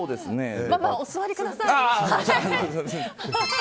お座りください。